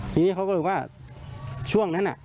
ทีนี้เขาก็เลยว่าช่วงนั้น